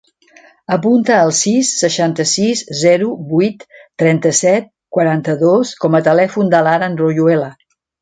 Apunta el sis, seixanta-sis, zero, vuit, trenta-set, quaranta-dos com a telèfon de l'Aran Royuela.